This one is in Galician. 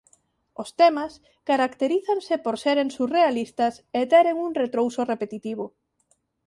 Os temas caracterízanse por seren surrealistas e teren un retrouso repetitivo.